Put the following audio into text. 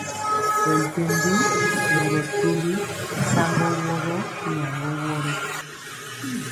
Bɛ ntembi nɛ bɛtɔli saŋgɔ woro, nyagɔ woro.